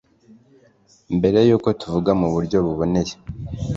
mbere y'uko tuvuga mu buryo bunonosoye